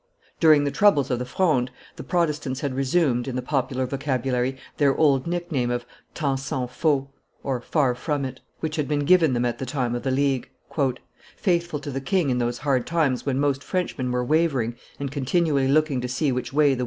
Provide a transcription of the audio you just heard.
During the troubles of the Fronde, the Protestants had resumed, in the popular vocabulary, their old nickname of Tant s'en fault (Far from it), which had been given them at the time of the League. "Faithful to the king in those hard times when most Frenchmen were wavering and continually looking to see which way the